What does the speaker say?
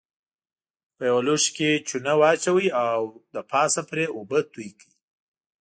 په یوه لوښي کې چونه واچوئ او پاسه پرې اوبه توی کړئ.